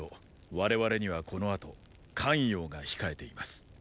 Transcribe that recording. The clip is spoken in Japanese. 我々にはこの後咸陽が控えています。